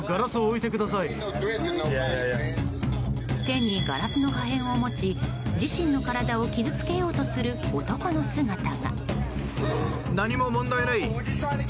手にガラスの破片を持ち自身の体を傷つけようとする男の姿が。